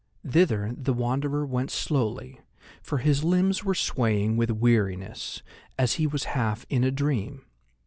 Thither the Wanderer went slowly, for his limbs were swaying with weariness, and he was half in a dream.